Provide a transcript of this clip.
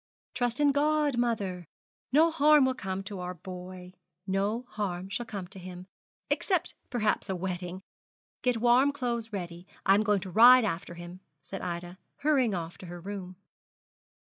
'Trust in God, mother; no harm will come to our boy. No harm shall come to him except perhaps a wetting. Get warm clothes ready for him against I bring him home. I am going to ride after him,' said Ida, hurrying off to her room.